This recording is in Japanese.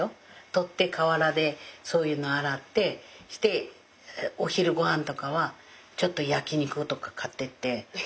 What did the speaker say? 採って河原でそういうの洗ってお昼御飯とかはちょっと焼き肉とか買ってって